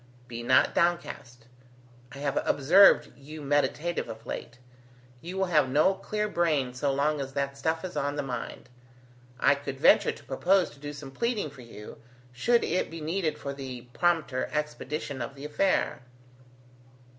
Be not downcast. I have observed you meditative of late. You will have no clear brain so long as that stuff is on the mind. I could venture to propose to do some pleading for you, should it be needed for the prompter expedition of the affair."